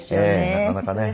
なかなかね。